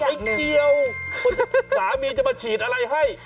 ไม่เกี่ยวสามีจะมาฉีดอะไรให้